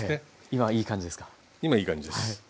今いい感じです。